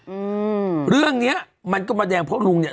อืมเรื่องเนี้ยมันก็มาแดงเพราะลุงเนี้ย